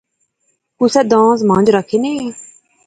کُسے دانذ مہنج رکھےنے